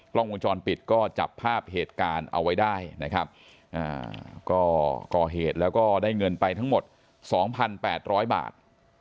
กล้องวงจรปิดก็จับภาพเหตุการณ์เอาไว้ได้นะครับก็ก่อเหตุแล้วก็ได้เงินไปทั้งหมด๒๘๐๐บาท